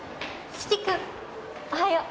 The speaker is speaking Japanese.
四鬼君おはよう。